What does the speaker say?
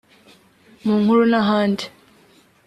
mu nkuru n’ahandi